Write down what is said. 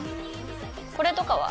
これとかは？